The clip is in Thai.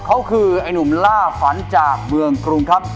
เขาคือไอ้หนุ่มล่าฝันจากเมืองกรุงครับ